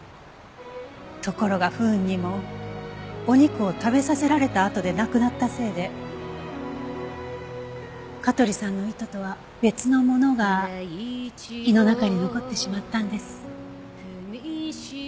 ところが不運にもお肉を食べさせられたあとで亡くなったせいで香取さんの意図とは別のものが胃の中に残ってしまったんです。